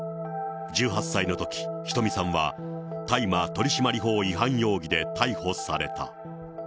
１８歳のとき、ひとみさんは大麻取締法違反容疑で逮捕された。